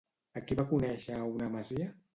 A qui va conèixer a una masia?